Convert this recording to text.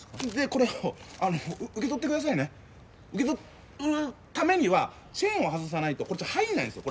これを受け取ってくださいね受け取るためにはチェーンを外さないと入んないんですよ